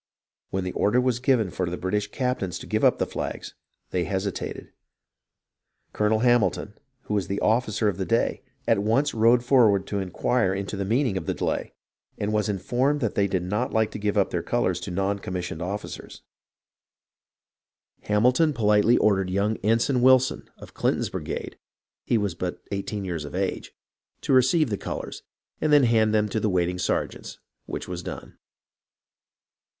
When the order was given for the British captains to give up the flags, they hesitated. Colonel Hamilton, who was the officer of the day, at once rode forward to inquire into the meaning of the delay, and was informed that they did not like to give up their colours to non commissioned officers. Hamil 382 HISTORY OF THE AMERICAN REVOLUTION ton politely ordered young Ensign Wilson of Clinton's brigade (he was but eighteen years of age) to receive the colours, and then to hand them to the waiting sergeants, which was done.